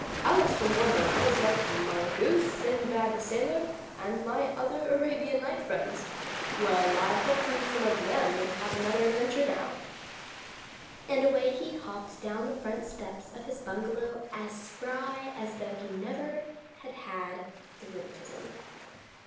"Alice from Wonderland is like Mother Goose, Sinbad the Sailor and my other Arabian Night friends. Well, I hope I meet some of them and have another adventure now," and away he hopped down the front steps of his bungalow as spry as though he never had had the rheumatism.